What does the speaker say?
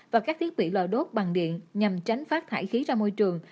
và các thiết bị lò đốt bằng điện nhằm tránh phát thải khí ra môi trường